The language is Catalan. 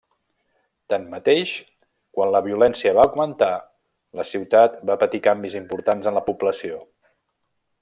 Tanmateix, quan la violència va augmentar, la ciutat va patir canvis importants en la població.